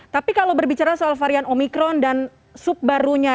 tapi kalau berbicara soal varian omikron dan sub barunya